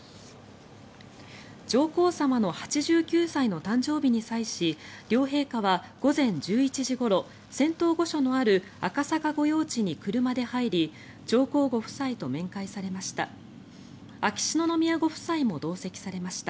上皇さまの８９歳の誕生日に際し両陛下は午前１１時ごろ仙洞御所のある赤坂御用地に車で入り上皇ご夫妻と面会されました。